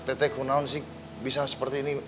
teh teh kenaun sih bisa seperti ini